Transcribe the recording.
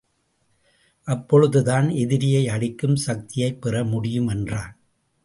அப்பொழுது தான் எதிரியை அழிக்கும் சக்தியைப் பெறமுடியும் என்றான்.